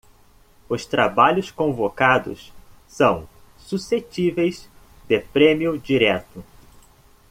Os trabalhos convocados são suscetíveis de prêmio direto.